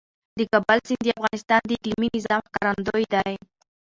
د کابل سیند د افغانستان د اقلیمي نظام ښکارندوی دی.